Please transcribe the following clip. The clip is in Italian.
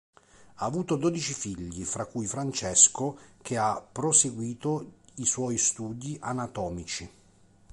Ha avuto dodici figli, fra cui Francesco, che ha proseguito i suoi studi anatomici.